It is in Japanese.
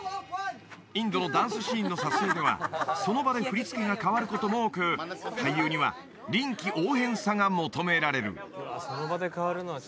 インドのダンスシーンの撮影では、その場で振り付けが変わることが多く、俳優には臨機応変さが求められる。